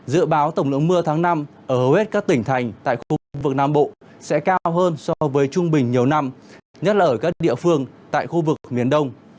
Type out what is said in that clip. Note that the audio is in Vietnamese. dự báo tổng lượng mưa tháng năm ở hầu hết các tỉnh thành tại khu vực nam bộ sẽ cao hơn so với trung bình nhiều năm nhất là ở các địa phương tại khu vực miền đông